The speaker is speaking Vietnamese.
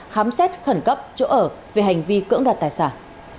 khám xét khẩn cấp chỗ ở về hành vi cưỡng đoạt tài sản